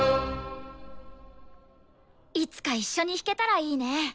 いつか一緒に弾けたらいいね。